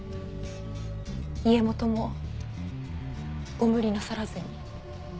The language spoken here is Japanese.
家元もご無理なさらずに。